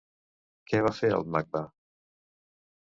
Què va fer al Macba?